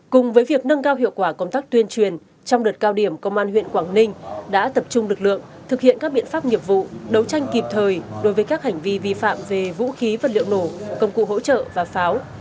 cùng với việc nâng cao hiệu quả công tác tuyên truyền trong đợt cao điểm công an huyện quảng ninh đã tập trung lực lượng thực hiện các biện pháp nghiệp vụ đấu tranh kịp thời đối với các hành vi vi phạm về vũ khí vật liệu nổ công cụ hỗ trợ và pháo